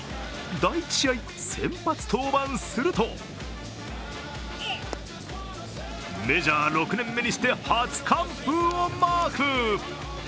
第１試合、先発登板するとメジャー６年目にして、初完封をマーク。